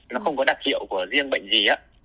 nó không có đặc hiệu của riêng bệnh gì